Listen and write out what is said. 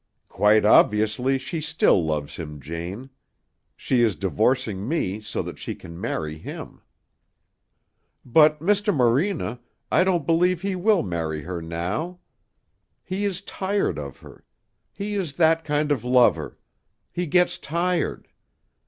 "Quite obviously she still loves him, Jane. She is divorcing me so that she can marry him." "But, Mr. Morena, I don't believe he will marry her now. He is tired of her. He is that kind of lover. He gets tired.